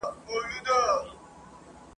زه که در ځم نو بې اختیاره درځم !.